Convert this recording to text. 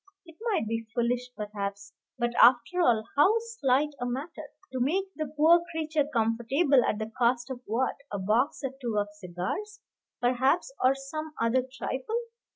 It might be foolish, perhaps; but after all, how slight a matter. To make the poor creature comfortable at the cost of what, a box or two of cigars, perhaps, or some other trifle.